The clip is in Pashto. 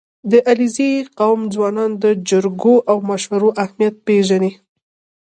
• د علیزي قوم ځوانان د جرګو او مشورو اهمیت پېژني.